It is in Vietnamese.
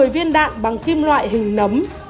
hai trăm một mươi viên đạn bằng kim loại hình nấm